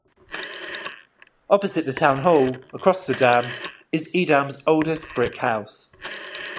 Opposite the Town hall, across the dam, is Edam's oldest brick house.